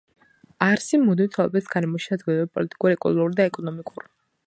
არსი, მუდმივ ცვალებად გარემოში საზოგადოებრივ, პოლიტიკურ, კულტურულ და ეკონომიკურ